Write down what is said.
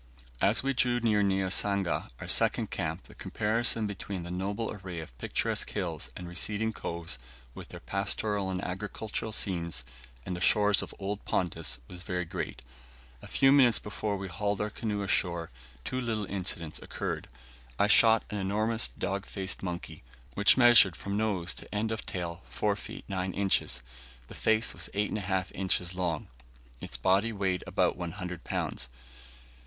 As we drew near Niasanga, our second camp, the comparison between the noble array of picturesque hills and receding coves, with their pastoral and agricultural scenes, and the shores of old Pontus, was very great. A few minutes before we hauled our canoe ashore, two little incidents occurred. I shot an enormous dog faced monkey, which measured from nose to end of tail 4 feet 9 inches; the face was 8 1/2 inches long, its body weighed about 100 lbs.